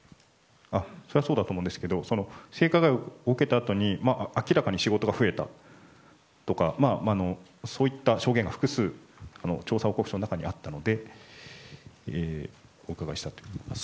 それはそうだと思うんですけど性加害を受けたあとに明らかに仕事が増えたとかそういった証言が複数調査報告書の中にあったのでお伺いしたということです。